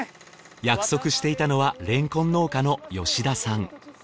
約束していたのはれんこん農家の吉田さん